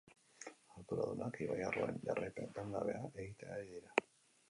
Arduradunak ibai arroen jarraipen etengabea egiten ari dira.